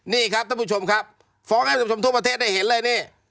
นี่ครับท่านผู้ชมครับฟ้องให้ผู้ชมทั่วประเทศได้เห็นเลยนี่